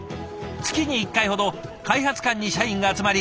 月に１回ほど開発館に社員が集まり